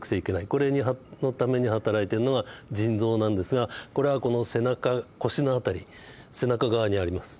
これのために働いてるのが腎臓なんですがこれはこの背中腰の辺り背中側にあります。